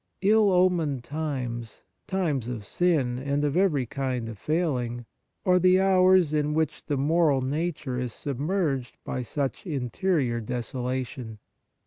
Ill omened times, times of sin and of every kind of failing, are the hours in which the moral nature is submerged by such interior desola tion.